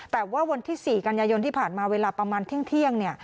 แต่ว่าวันที่๔กันยายนที่ผ่านมาเวลาประมาณเที่ยง